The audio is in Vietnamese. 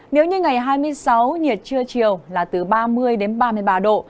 nếu như ngày hai mươi sáu nhiệt trưa chiều là từ ba mươi đến ba mươi ba độ